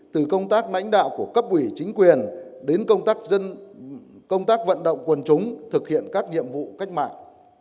từ công tác lãnh đạo của cấp quỷ chính quyền đến công tác vận động quần chúng thực hiện các nhiệm vụ cách mạng